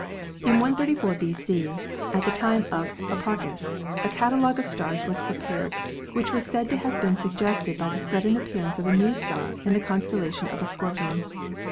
In 134 B.C., at the time of Hipparchus, a catalogue of stars was prepared which was said to have been suggested by the sudden appearance of a new star in the constellation of the Scorpion.